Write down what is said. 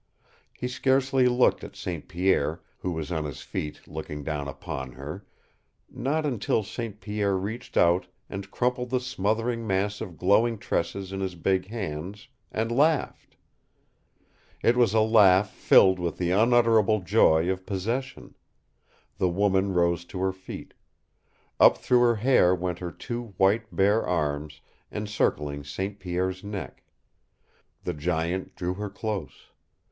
He scarcely looked at St. Pierre, who was on his feet, looking down upon her not until St. Pierre reached out and crumpled the smothering mass of glowing tresses in his big hands, and laughed. It was a laugh filled with the unutterable joy of possession. The woman rose to her feet. Up through her hair went her two white, bare arms, encircling St. Pierre's neck. The giant drew her close.